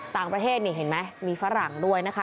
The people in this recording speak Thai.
ต่างประเทศนี่เห็นไหมมีฝรั่งด้วยนะคะ